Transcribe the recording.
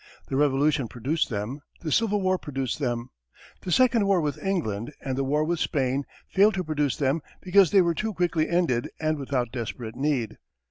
The Revolution produced them; the Civil War produced them. The second war with England, and the war with Spain failed to produce them because they were too quickly ended, and without desperate need.